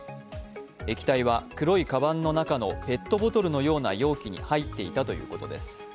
液体は黒いかばんの中のペットボトルのような容器に入っていたということです。